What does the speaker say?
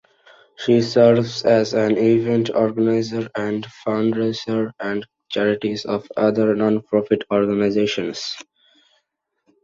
She serves as an event-organizer and fundraiser for charities and other nonprofit organizations.